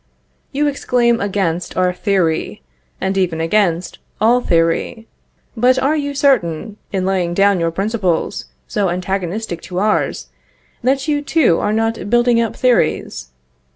You exclaim against our theory, and even against all theory. But are you certain, in laying down your principles, so antagonistic to ours, that you too are not building up theories?